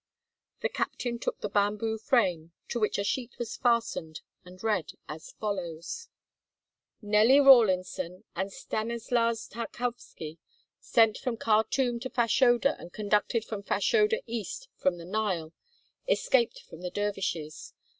The captain took the bamboo frame to which a sheet was fastened and read as follows: "Nelly Rawlinson and Stanislas Tarkowski, sent from Khartûm to Fashoda and conducted from Fashoda east from the Nile, escaped from the dervishes.